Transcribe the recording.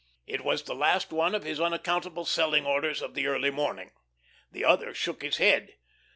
It was the last one of his unaccountable selling orders of the early morning. The other shook his head.